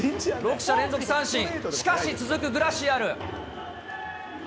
６者連続三振、しかし続くグラシアル。